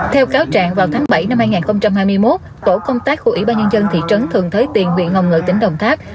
theo cáo trạng vào tháng bảy năm hai nghìn hai mươi một tổ công tác của ủy ban nhân dân thị trấn thường thới tiền nguyện hồng ngự tỉnh đồng tháp